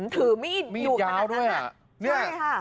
ถือมีดยาวด้วย